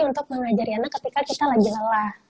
untuk mengajari anak ketika kita lagi lelah